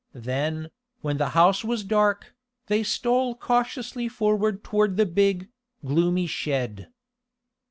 Then, when the house was dark, they stole cautiously forward toward the big, gloomy shed.